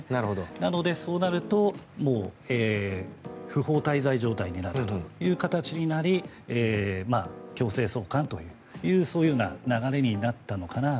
なので、そうなるともう不法滞在状態になるという形になり強制送還という流れになったのかなと。